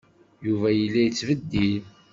Yuba yella yettbeddil.